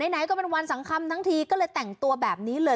ไหนก็เป็นวันสำคัญทั้งทีก็เลยแต่งตัวแบบนี้เลย